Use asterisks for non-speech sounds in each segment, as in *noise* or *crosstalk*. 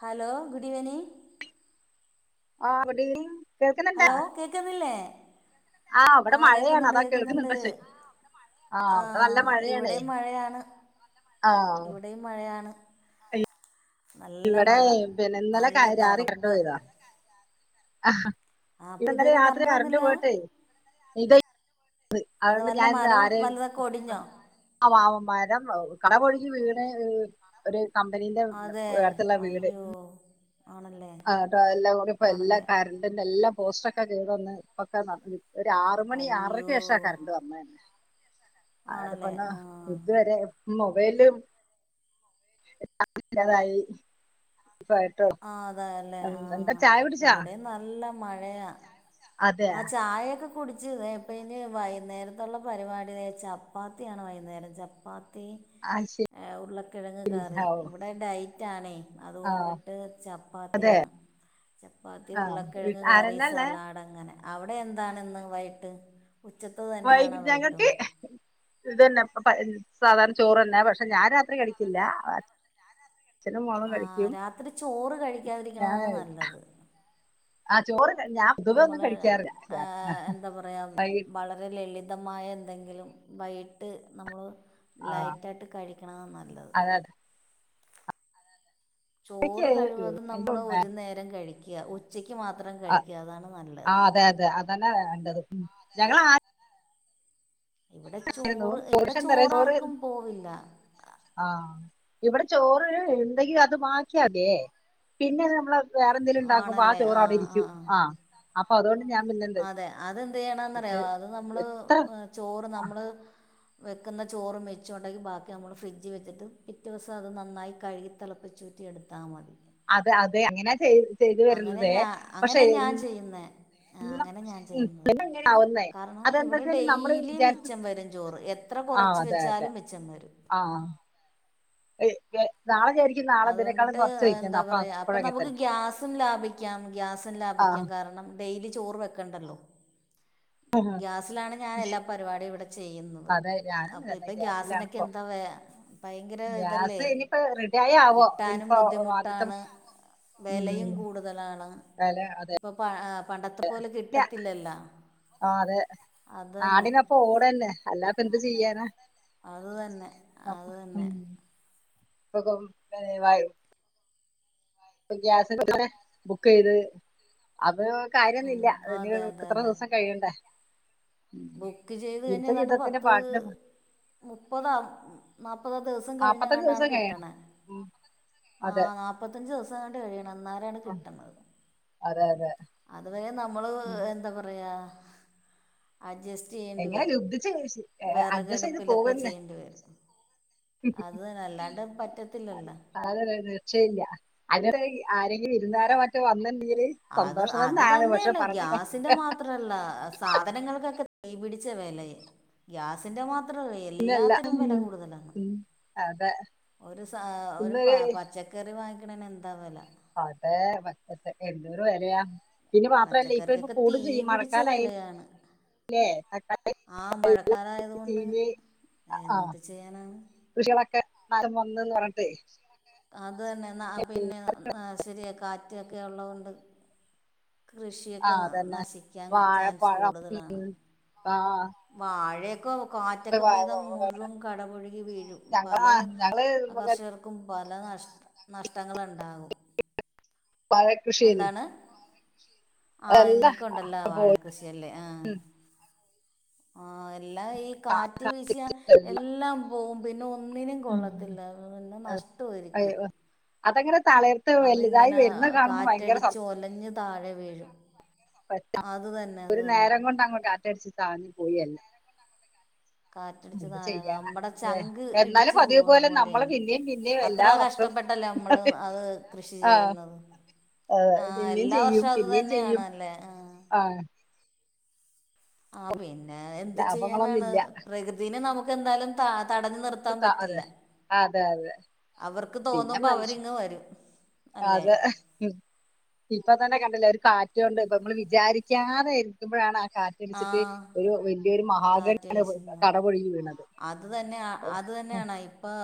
Hello good evening. ആഹ് good evening. കേൾക്കുന്നുണ്ടാ hello കേക്കുന്നില്ലേ ആഹ് ഇവിടെ ആ മഴയാണ് കേക്കുന്നുണ്ട് അതാ കേക്കുന്നുണ്ട്. കേൾക്കുന്നുണ്ടോ ചോയ് ആഹ് ഇവിടെ നല്ല ആഹ മഴയാണേ ഇവിടെയും മഴയാണ് ആഹ് ഇവിടെയും മഴയാണ്. നല്ല ഇവിടെ മഴ പിന്നെ ഇന്നലെ നല്ല രാറി കരണ്ട് തണുപ്പ് പോയതാ. അഹ ആഹ് അപ്പൊ ഇന്നരെ ഇതുവരെ രാത്രി കറണ്ട് കരണ്ടു വന്നില്ല പോയിട്ടെ ത്, അ അത് അതുകൊണ്ട് വല്ല ഞാനിന്ന് മരവും ആരേയും വലുതൊക്കെ ഒടിഞ്ഞോ മാവ് ന്മാര കടപൊഴകി വീണ് ഒരു കമ്പനീന്റെ അതെ ഇടുത്തുള്ള വീട് അയ്യോ ആണല്ലേ *inaudible* ആണല്ലേ ഒരു ആറ് മണി ആറരക്ക് അയ്യോ ശേഷാ കറണ്ട് വന്നത്, ആണല്ലേ ആടെപ്പന്ന ആഹ് ഇതുവരെോ ലുംതായി ആ അതേ, എന്ത് ചായ കുടിച്ചോ, ല്ല മഴയാ ആ ചായൊക്കെ കുടിച്ചതേ പ്പെ ന് വൈകുന്നേരത്തുള്ള പരിപാടി തെ ചപ്പാത്തിയാണ് വൈകുന്നേരം ചപ്പാത്തി. അയ്ശ് ത്തി ഉരുള്ളക്കിഴങ്ങ് കറി ഹാവോ ഇവിടെ ഡൈറ്റ ആണേ ആഹ് അതുകൊണ്ട്, ചപ്പാത്തിയാണ് ചപ്പാത്തി ആഹ് ഉള്ളക്കിഴങ് വീട്ടിൽ കറി ആരെല്ലാം ഉള്ളെ സലാഡ ങ്ങനെ, അവിടെ എന്താണ് ഇന്ന് വൈട്ട്, വൈകി ഞങ്ങൾക്ക് ഹ് ഇതെന്നെ പഴ സാധാരണ ചോറ്ന്നെ പക്ഷേ ഞാൻ രാത്രി കടിക്കില്ല, അച്ഛനു മോളും ആ കഴിക്കും രാത്രി ചോറ് ഞാൻ കഴിക്കാതിരിക്കണതാണ് ഹ് ആ ചോറ് നമ്മള് കഴിക്കാറില്ല ആ രാത്രി എന്താ പറയാ വളരെ ലളി വിതമായ എന്തെങ്കിലും വൈട്ടു നമ്മൾ ആഹ് ലൈറ്റാട്ടു കഴിക്കണ താ നല്ലത് അതെ അതെ ചോറ് കഴിവതും നമ്മള് ഒരു നേരം കഴിക്യാ ഉച്ചക് അ ആ അതേതെ അതെന്നേയ് വേണ്ടത് ഞങ്ങളാ ഇവിടെ ചോറ് ഇവിടെ ചോറ് ചോറാർക്കും *unintelligible* പോവില്ല ആഹ ഇവിടെ ചോറ് ഇണ്ടെങ്കി അത് ബാക്കിയതേ പിന്നെ ത് നമ്മള് വേറെ ന്തേലും ഇണ്ടാക്കുമ്പോ ആ ചോറവിടെ രിക്കും ആ അപ്പൊ തോണ്ട് ഞാൻ പിന്നെന്തു അതെ അതെന്ത് യ്യണന്നറിയോ അത് നമ്മള് ങ് ചോറ്നമ്മ്‌ ള് വെക്കുന്ന ചോറ്മിച്ചോണ്ടെങ്കി ബാക്കി നമ്മള് ഫ്രിഡ്ജജി വെച്ചിട്ട് പിറ്റ വസം അത് നന്നായി കഴുകി തിളപ്പിച് കുറ്റിയെടുത്താ മതി അതെ അതെ അങ്ങനാ ചെയ് ചെയ്തു അങ്ങനെ വരുന്നതേ പക്ഷെ ആ അങ്ങനെ ഞാൻ ചെയ്യുന്നത് ആവുന്നേ കാരണം അതെന്താ ഇവിടെ വെച്ചാല് നമ്മള് ഡെയിലി വിചാരിച്ച മിച്ചം വരുംചോറ് എത്ര കൊറച്ച് വെച്ചാലും വെച്ചന്നരും ആആഹ് എ അതുകൊണ്ടിട്ട് എന്താ പറയാ അപ്പൊ അപ്പോഴങ്ങെ നമുക്ക് തന്നെ ഗ്യാസും ലാഭിക്കാം ഗ്യാസും ലാഭ ആഹ് രണം ഡെയിലി ചോറ് വെക്കണ്ടല്ലോ ഗ്യാസിലാണ് ഞാൻ എല്ലാ പരിപാടിയും ഇവിടെ ചെയ്യുന്നത് അതെ ഞാനും അപ്പൊ തന്നെ ഇപ്പ ഗ്യാസിനൊക്കെ ഗ്യാസിലാണിപ്പോ എന്താ വേ ഭയങ്കര ഇതല്ലേ ഗ്യാസ് ഇനിയിപ്പോ റെഡി ആായി ആവോ ഇപ്പോ ആദ്യത്തെ വെലയും ഉം കൂടുതലാണ് വില ഇപ്പൊ പണ്ടത്തെ പോലെ കിട്ടത്തില്ലല്ല ആ അതെ നാടിനപ്പ ഓടന്നെ അല്ലാപ്പൊ ന്തു ചെയ്യാന അത് തന്നെ അത് തന്നെ സഖം വ വായി *unintelligible* ഗ്യാസ് *unintelligible* ബുക്ക്യ്യത് അത് ഉം, കാര്യൊന്നില്ല അന് അതെ അതെ ഇത്ര അതെ ദിവസം കഴിയണ്ടേ ബുക്ക് ചെയ്തഴിഞ്ഞു യുദ്ധ ഏതാണ്ട് യുദ്ധത്തിന്റെ പത്ത് പാട്ടിന് മുപ്പത നാപ്പത ദിവസം നാപ്പത്തഞ്ച് കഴിഞങ്ങടാണ് ദിവസം കഴിയണം കിട്ടണേ ഉം ആ അതെ നാപത്തജ്ജ് ദിവസങ്ങാണ്ട് കഴിയണം എന്നാ ലാണ് ആ കിട്ടണത് അതെ അതെ അത് വരെ നമ്മള് ഉം എന്താ പറയാ അഡ്ജസ്റ്റ് ചെയ്യേണ്ടി എങ്ങനെ വരും ലൂബ്ധിച് ശ് അഡ്ജസ്റ്റേയത് വിറകടുപ്പിലൊക്കെ പോവുന്നെ ചെയ്യേണ്ടി വരും അത് അല്ലാണ്ട് അല്ല പറ്റത്തില്ലല്ലോ അത നിക്ഷയില്ല അ *unintelligible* ആരെങ്കിലും ഇരുന്നോരൻ മറ്റെ വന്നണ്ട് അത് അത് തന്നെയല്ലാ ഗ്യാസിന്റെ മാത്രല്ല സാധനങ്ങൾക്കൊക്കെ കൈ പിടിച്ച വെലെ ഗ്യാസിന്റെ മാത്രം മാത്ര വല്ല കാര്യമല്ല എല്ലാത്തിനും വെല കൂടുതലാണ് ഉം അതെ ഒരു സ ഒരു പ ഇന്നൊരു പച്ചക്കറി വാങ്ങിക്കണെ നെന്താ വെല അതെ മറ്റെ ഏ എന്തൊരു വെലയ പച്ചക്കറിക്കൊക്കെ തീ പിടിച്ച വെലയാണ് പിന്നെ തക്കാളി മഴക്കാലമായതുകൊണ്ട് *unintelligible* അ ആ എന്ത് ചെയ്യാനാണ് കൃഷികളൊക്കെ നം *unintelligible* വന്നന്ന് പർഞ്ട്ടേ അതു ന്നെ ന്നാ പിന്നെ ആ ശെരിയാ കാറ്റൊക്കെള്ളതോണ്ട് ആ കൃഷിയൊക്കെ ന അതന്നെ നശിക്കാൻ ചാൻസ് വാഴപ്പഴം കൂടുതലാണ് ആ വാഴൊക്കെ ഇപ്പൊ കാറ്റക്ക വ- പെയ്താ വ- മുഴ്വാൻ കടപൊഴുകി വീഴും പല ഞങ്ങളാ ഞങ്ങള് മറ്റേ കർഷകർക്കും പല പല നഷ് നഷ്ട്ടങ്ങളാണ്ടാകും വാഴ കൃഷിയായ്ന് ആഇങ്ങക്ക് ഒ ണ്ടല്ലേ വാഴ കൃഷിയല്ലേ ആ ആ എല്ല ഈ കാറ്റ് വീശ എല്ലാം പോകും. പിന്നെ ഒന്നിനും ഉം. കൊള്ളത്തില്ലന്നെ നഷ് നഷ്ടൊരിക്കും. അതങ്ങനെ തളർത്ത് വലുതായി അതിങ്ങനെ, വരുന്ന കാണുമ്പോ ഭയങ്കര കാറ്റടിച്ചു ഒലഞ്ഞഞ് താഴെ വീഴും. പറ്റ, അത് തന്നെ അത് ഒരു തന്നെ നേരം കൊണ്ട് അങ്ങോ കാറ്റടിച്ച് ചാഞ്ഞി പോയെ എല്ലം - കാറ്റടിച്ച താഴെ നമ്മുടെ ഏ, ചങ്ക് എന്നാലും ഇടിച്ചു പതിവ് പോകണ പോലെ നമ്മൾ പോലെയാണ്. പിന്നെയും പിന്നെയും എല്ലാ അത്ര കഷ്ടപ്പെട്ട വർഷവും പെട്ടല്ലേ, നമ്മള് അത് കൃഷി ആ, ചെയ്യുന്നത്. ആ, ആഹ, പിന്നെയും എല്ലാ ചെയ്യും വർഷവും അത് പിന്നെയും ചെയ്യും തന്നെയണല്ലേ? ആഹ... ആ ആ, പിന്നെ എന്ത് ലാഭങ്ങളൊന്നും ചെയ്യാനാണ്? ഇല്ല പ്രകൃതിനെ നമുക്ക് എന്തായാലും താ.... തടഞ്ഞ ഇപ്പൊ നിർത്താൻ ത- അതെ പറ്റില്ല, അതെ അതെ അവർക്ക് തോന്നുമ്പോ അവരിങ്ങ് വരും. അല്ലേ അതെ ഇപ്പ തന്നെ കണ്ടില്ലേ, ഒരു കാറ്റുകൊണ്ട് ഇപ്പൊ നമ്മൾ വിചാരിക്കാതെ ഇരിക്കുമ്പോഴാണ്... ആ കാറ്റടിച്ചിട്ട് ഒരു വലിയൊരു മഹാഗണി കാറ്റ് ആണ് വീശുന്നത് കടപൊഴകി വീണത്. അത് തന്നെ, ഏ, അത് ഉം, തന്നെയാണ് ഇപ്പോൾ...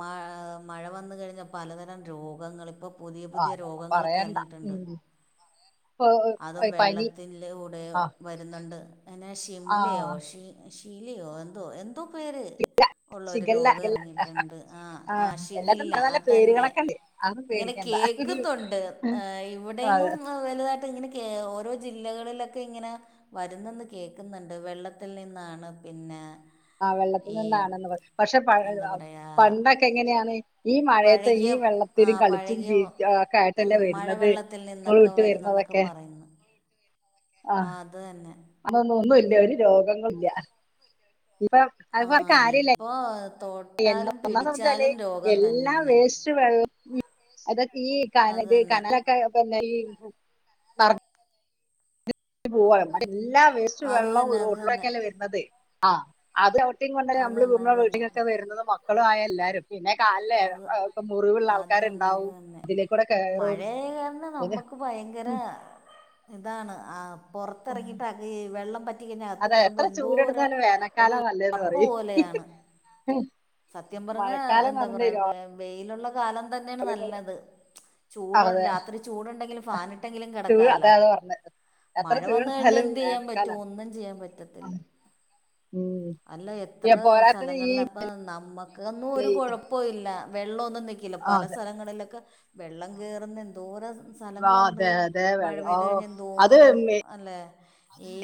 മാ, മഴ വന്നു കഴിഞ്ഞാൽ പലതരം രോഗങ്ങളിപ്പം... പുതിയ പുതിയ ആരോ രോഗങ്ങളൊക്കെ പറയണ്ട ഇറങ്ങിയിട്ടുണ്ട്. ഉം. ഇപ്പൊ അതും ഏ, പനി വെള്ളത്തിൽ കൂടെയോ ആ വരുന്നുണ്ട്. പിന്നെ ഷിംലയോ? ആഹ് ഷി ശീലയോ, എന്തോ എ ഷികല്ല ഷിഖല്ലല്ല ആ.. എല്ലാത്തും ന നല്ല പേരുകളൊക്കെ ഉണ്ട്, അതൊന്നും പേടിക്കേണ്ടാ. എഗ്ഗ്തുണ്ട്, ഇവിടെഎങ്ങും വലുതാ ഇങ്ങനെ ഓരോ ജില്ലകളിലൊക്കെ ഇങ്ങനെ വരുന്നന്ന് കേൾക്കുന്നുണ്ട്, വെള്ളത്തിൽ നിന്നാണ്. പിന്നെ? ആ വെള്ളത്തിൽ ഈ നിന്നാണെന്ന് പറ. പക്ഷെ? എന്താ പറയുക പണ്ടൊക്കെ എങ്ങനെയാണ് ഈ മഴയത്തെ ഈ പഴകിയ ഈ ആ വെള്ളത്തില് കളിച്ചും പഴകിയ ഒക്കെ ആയിട്ടല്ലേ വരുന്നത്, സ്കൂൾ വിട്ട് വരുന്നത ഒക്കെ പറയുന്നു. ആ ആഹ, അത് തന്നെ അതൊന്നും ഒന്നുംല്ല ഒരു രോഗങ്ങളല്ല. ഇപ്പൊ അത് ആ കൊറ കാര്യല്ലേ.. ഇപ്പോ എന്ന തൊട്ടാലും ഒന്നാച്ചാലേ, പിടിച്ചാലും രോഗം എല്ലാം തന്നെ വേസ്റ്റ് വെ ള് ഉ, അത ഈ അത് കാനൽ തന്നെ കനല്ലൊക്കെ ഈ നെറഞ് എല്ലാ വേസ്റ്റ് അത് വെള്ളം ഒരു തന്നെ റോ അത് തന്നെ ട്ടിലക്കെല്ലെ വരുന്നത്, ആ അത് അത് ച്ചവീട്ടിം കൊണ്ടല്ലേ അത് തന്നെ അത് നമ്മള് തന്നെ വീട്ടിങ്ങൊക്കെ വരുന്നത്, മക്കളും ആ എല്ലാരും. പിന്നെ കാലല്ലേ, അത് ഇപ്പ മുറിവുള്ള അത് തന്നെ അത് ആൾക്കാാര്ണ്ടാവും, തന്നെ ഇതിലേക്കൂടെ കയറും, ഏത ക്ക് ഭയങ്കര ഇതാണ്. ഉം പുറത്തിറങ്ങിയിട്ട ഈ വെള്ളം പറ്റി കഴിഞ്ഞാൽ അത്ത് അതെ കയറുമ്പോൾ എത്ര എന്തോരം ചൂടെടുത്താലും വേനൽക്കാലം നല്ലതെന്ന് അറപ്പ് പറയും പോലെയാണ്. സത്യം പറഞ്ഞ.... മഴക്കാലം എന്താ പറഞ്ഞ പറയ, വൈലുള്ള കാലം തന്നെയാണ് നല്ലത്. ചൂടോണ്ട് അതെ രാത്രി ചൂടുണ്ടെങ്കിലും ഫാനിട്ടെങ്കിലും ചൂട് കിടക്കാല്ല. അതെ അത് പറഞ്ഞത് എത്ര മഴ വന്ന് കഴിഞ്ഞാൽ ചൂടെടുത്താലും എന്ത് ചെയ്യാൻ പറ്റും? വേനൽക്കാലം ഒന്നും ചെയ്യാൻ പറ്റത്തില്ല.... ഉം അല്ല ഈ എത്ര പോരാത്തതിന് ഈ സ്ഥലങ്ങളില അപ്പ നമ്മക്കന്നും ഒരു കുഴപ്പ ഇല്ല വെള്ളം ഒന്നും നിൽക്കില്ല. ആ പല അതെ സ്ഥലങ്ങളിലൊക്കെ വെള്ളം കയറുന്ന എന്തോരം ആ സ്ഥലങ്ങളുണ്ട്, അതെ അതെ മഴ വെള്ളം ഓ പെയ്ത് കഴിഞ്ഞാൽ അത് എന്തോരം അല്ലേ, ഈ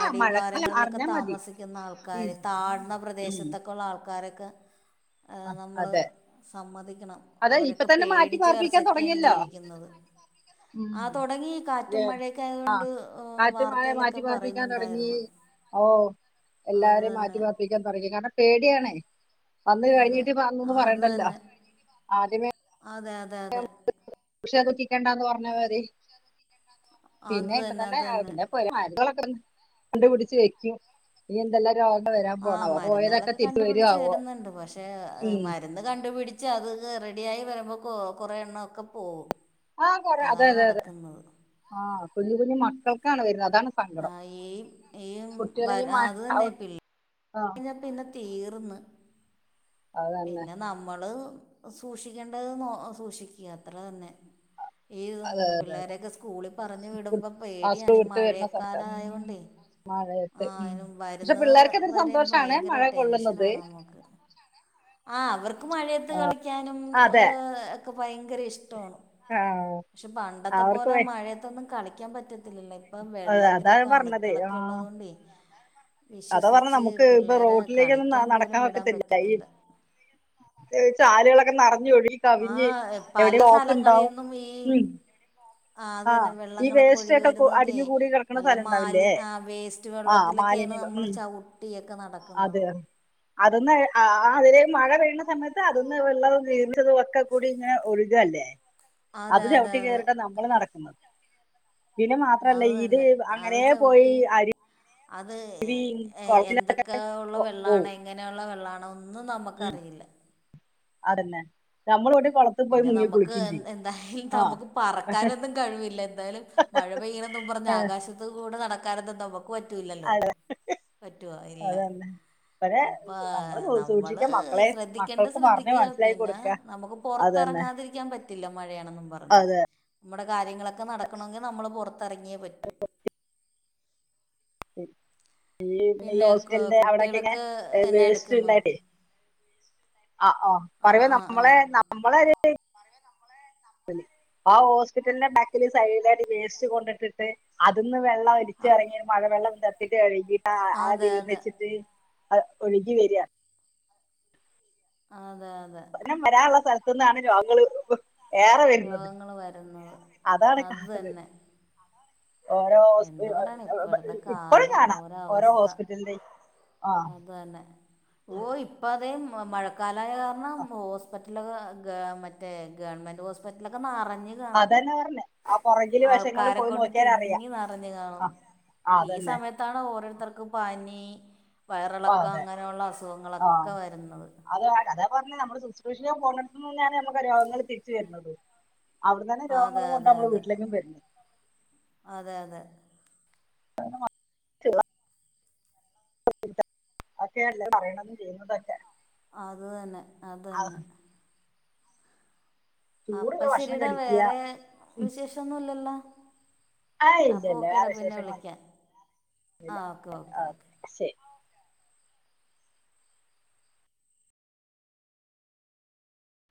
അ മഴക്കാലം അടിവാരങ്ങളിലൊക്കെ അറിഞ്ഞാ മതി താമസിക്കുന്ന ഉം ആൾക്കാര് താഴ്ന്ന ഉം പ്രദേശത്തൊക്കെ ഉള്ള ആൾക്കാരെ ഒക്ക. ആ അതെ നമ്മള് സമ്മതിക്കണം, അതെ ഇപ്പൊ അവരൊക്കെ തന്നെ മാറ്റി പേടിച്ചു വെറ പാർപ്പിക്കാൻ ച്ചൊക്കേണ് തുടങ്ങിയല്ലോ ജീവിക്കുന്നത്. ഉം. ആ തുടങ്ങി. കാറ്റും മഴയൊക്ക ആയൊണ്ട് കാറ്റ് മഴ വാർത്തയിലൊക്കെ മാറ്റി പാർപ്പിക്കാൻ തുടങ്ങി പറയുന്നുണ്ടായിരുന്നു. ഓ അത് എല്ലാരെയും മാറ്റി തന്നെ പർപ്പിക്കാൻ പറഞ്ഞു കാരണം പേടിയാണേ വന്ന് അതെ കഴിഞ്ഞിട്ട് പറന്നൊന്ന് അത് പറയണ്ടല്ലോ തന്നെ ആദ്യമേ. അതെ, അതെ, അതെ! പക്ഷേ ദുഃഖിക്കേണ്ടാന്ന് പറഞ്ഞ മതി. പിന്നെ ഇപ്പ തന്നെ *unintelligible* കണ്ട്പിടിച്ച് വെക്കും ഇനി എന്തെല്ല- ആഹ് മരുന്നുകളൊക്കെ കണ്ടുപിടിച്ച് വരുവാവോ വരുന്നുണ്ട് പക്ഷെ ഉം മരുന്ന് കണ്ടുപിടിച്ച് അത് റെ ഡി യായി വരുമ്പോ കൊ കൊറെ എണ്ണം ഒക്കെ പോകും. ആഹ് കൊറെ അതെ അതെ അതെ ആഹ് കുഞ്ഞു കുഞ്ഞു മക്കൾക്കാണ് വരുന്നത് അ അതാണ് ആ സങ്കടം ഈ ഈ വ കുട്ടികളെ- ആ അത് കഴിഞ്ഞപ്പിന്നെ തീർന്ന് അത് തന്നെ പിന്നെ നമ്മള് സൂക്ഷിക്കേണ്ടത് നോ സൂക്ഷിക്കുക അത്ര തന്നെ. ഈ പിള്ളേരൊക്കെ സ്കൂളിൽ പറഞ്ഞു കു- വിടുമ്പോ ആ സ്കൂൾ പേടിയാണ് ഈ വിട്ട് വരുന്ന സമയത്ത് മഴയെക്കാലായത് ഉം കൊണ്ടേ. ആ ഉം പക്ഷെ വരുന്നത് പിള്ളേർക്ക് അതൊരു വരെ സന്തോഷാണ് ഭയങ്കര മഴ ടെൻഷന കൊള്ളുന്നത് ആണ് നമുക്ക്. ആ അവർക്ക് മഴയത്ത് കളിക്കാനും അതെ ഒക്കെ ഭയങ്കര ഇഷ്ട- ആ പക്ഷെ പണ്ടത്തെ അവർക്ക് പോലെ വെ- മഴയത്തൊന്നും കളിക്കാൻ പറ്റില്ല. ഇപ്പൊ അത- അതാ വെള്ളത്തിലൊക്കെ പറഞ്ഞത് ആ അണുക്കളൊക്കെ ഉള്ളത് കൊണ്ടെ അതാ പറഞ്ഞ നമുക്ക് ഇപ്പ റോഡിലേക്കൊന്നും കളിക്കാൻ നടക്കാൻ പോലും വിടാൻ പറ്റത്തില്ല ഈ. ചാലുകളൊക്കെ നറ ഞ്ഞൊഴുകി ആ കവിഞ്ഞ് പല എവിടെ വോക്ക് ണ്ടാവും സ്ഥലങ്ങളിന്നും ഈ - ആ അത് തന്നെ വെള്ളങ്ങളൊക്കെ ഒഴുകി കു- വരുന്നതൊക്കെ അടിഞ്ഞു കൂടി കിടക്കുന്ന നല്ല സ്ഥലം ഉണ്ടാവില്ലേ മാലിന് ആ വേസ്റ്റ് ആ വെള്ളത്തില- മാലിന്യങ്ങൾ ഉം - ചവിട്ടിയൊക്കെ നടക്കുന്നത്. അതൊന്ന് അതില മഴ പെയ്യുന്ന സമയത്ത് അതൊന്ന് വെള്ളത ദീർച്ചതും ഒക്കെ കൂടി ഇങ്ങനെ ഒരു- ഇതല്ലേ അതെ അത് അതെ ചവിട്ടി അതെ കയറിട്ടാ നമ്മൾ നടക്കുന്നത്. പിന്നെ മാത്രല്ല അത് ഇത് തന്നെ അത് അങ്ങനെ പോയി ചവിട്ടി അരി- അത് കുളത്തിൽ എന്തൊക്കെയ ഉള്ള പോ പോവും വെള്ളണോ എങ്ങനെയുള്ള വെള്ളണോ? ഒന്നും ഉം നമുക്കറിയില്ല. അതന്നെ നമ്മളോട്- പിന്നെ നമുക്ക് എന്തായാലും ആഹ് നമുക്ക് പറക്കാനൊന്നും കഴിവില്ല എന്തായാലും മഴ പെയ്യുന്നതും പറഞ്ഞ ആകാശത്ത് കൂടെ നടക്കാനൊന്നും നമുക്ക് പറ്റൂല്ലല്ലോ. പറ്റുവോ ഇല്ല. അതന്നെ ഇവരെ അപ്പ നമ്മള് നമ്മള് സൂക്ഷിക്ക മക്കളെ ശ്രദ്ധിക്കണ്ട മക്കൾക്ക് പറഞ്ഞ് ശ്രദ്ധിക്കുക മനസ്സിലാക്കി പിന്നെ കൊടുക്ക നമുക്ക് പോ. അതന്നെ പുറത്തിറങ്ങാതിരിക്കാൻ പറ്റില്ല മഴയാണെന്നും പറഞ്ഞ് അതെ നമ്മുടെ കാര്യങ്ങളൊക്കെ നടക്കണമെങ്കിൽ നമ്മൾ പുറ- ത്തിറങ്ങിയേ പറ്റൂ. ശരി ഈ പിന്നെ കു- ഹോസ്റ്റലിന്റെ അവിടൊക്കെ ഇങ്ങനെ കുട്ടികളൊക്കെ എന്നാ വേസ്റ്റ് എടുക്കുന്നു ണ്ടായിട്ടേ- ആ ഓ ആ പറയോ ആ ആ നമ്മളെ നമ്മള ഒരു- ആ ഹോസ്പിറ്റലിന്റെ ബാക്കില് സൈഡിലായിട്ട് വേസ്റ്റ് കൊണ്ടിട്ടിട്ട് അതൊന്ന് വെള്ളം ഒലിച്ച് ആ, ഇറങ്ങി മഴവെള്ളം ഇ ചത്തിട്ട് കഴങ്ങിട്ട് ആ അതെ തീർന്ന അതെ വച്ചിട്ട്- അ ഒഴുകി വരാ- ആഹ് നം വരാനുള്ള സ്ഥലത്തു നിന്നാണ് രോഗങ്ങള്ൾ- ഏറെ വരുന്നത് രോഗങ്ങൾ വരുന്നത് അതാണ് അത് കാണത്. തന്നെ ഓരോ എന്ത് പറയണം ഇപ്പോഴത്തെ ഇപ്പോഴും കാലം കാണാം ഓരോ ഹോസ്പിറ്റലിന്ന് - അത തന്നെ ഓ ഇപ്പ അത- മഴ കാലയ കാരണം ഹോസ്പിറ്റലിൽ മറ്റേ ഗവണ്മെന്റ് ഹോസ്പിറ്റൽ നിറ - അതന്നെ പറഞ്ഞഞ് ആ പുറകില് വശങ്ങള്ൾ പോയി നോക്കിയാലറിയ - ഇങ്ങി നിറഞ്ഞു കാണും ഈ സമയത്താണ് ഓരോരുത്തർക്ക് പനി- വയറിളക്കം അതെ അങ്ങനെയുള്ള ആ അസുഖങ്ങളൊക്കെ വരുന്നത് അ കഥ പറഞ്ഞ നമ്മള് സൂ- തൃശിയെ പോണ നിന്നാണ് നമുക്ക് രോഗങ്ങൾ തിരിച്ചു വരുന്നത്. അവിടെ തന്നെ അതെ രോഗങ്ങളും കൊണ്ട് അതെ നമ്മള് അതെ വീട്ടിലേക്കും വരുന്നത്. അതെ അതെ *unintelligible* അക്കെയല്ലേ പറയണും ചെയ്യുന്നതൊക്കെ- അതു തന്നെ അതു ആ, തന്നെ. അപ്പ ചൂടുള്ള ഭക്ഷണം ശെരിടാ കഴിക്കുക വേറെ ഉം. വിശേഷംന്നുംല്ലല്ലോ? ആ ഇല്ല ഇല്ല വേറെ വിളിക്കാം ആ വിശേഷങ്ങളന്ന ഓക്കെ ഓക്കെ ഓക്കെ ഓകെ ശെരി.